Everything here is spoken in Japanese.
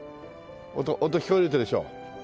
音音聞こえてるでしょ？